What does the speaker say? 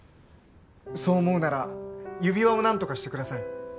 そう思うなら指輪をなんとかしてください。